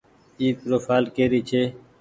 اي پروڦآئل ڪري ڇي۔